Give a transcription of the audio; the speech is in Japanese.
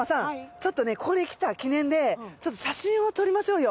ちょっとここに来た記念で写真を撮りましょうよ。